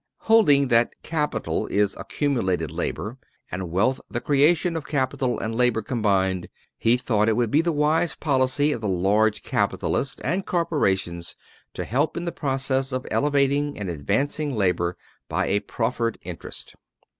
Holding that capital is accumulated labor, and wealth the creation of capital and labor combined, he thought it to be the wise policy of the large capitalists and corporations to help in the process of elevating and advancing labor by a proffered interest."